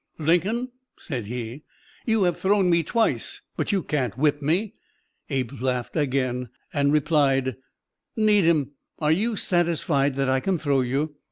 "Lincoln," said he, "you have thrown me twice, but you can't whip me." Abe laughed again and replied: "Needham, are you satisfied that I can throw you?